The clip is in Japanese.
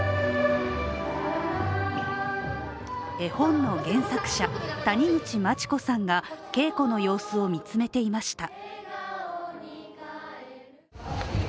絵本の原作者、谷口真知子さんが稽古の様子を見つめていました。